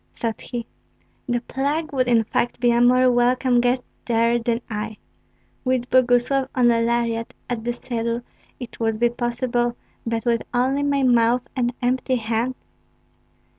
thought he; "the plague would in fact be a more welcome guest there than I! With Boguslav on a lariat at the saddle it would be possible; but with only my mouth and empty hands!"